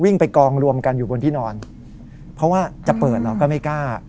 ไปกองรวมกันอยู่บนที่นอนเพราะว่าจะเปิดเราก็ไม่กล้า